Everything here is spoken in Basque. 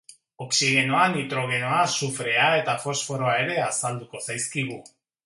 Oxigenoa, nitrogenoa, sufrea eta fosforoa ere azalduko zaizkigu.